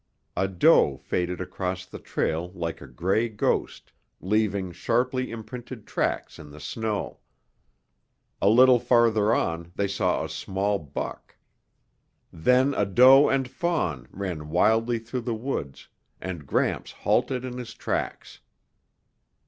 A doe faded across the trail like a gray ghost, leaving sharply imprinted tracks in the snow. A little farther on they saw a small buck. Then a doe and fawn ran wildly through the woods, and Gramps halted in his tracks.